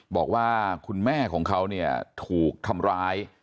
บอกว่าคุณแม่ของเขาเนี่ยถูกทำร้าย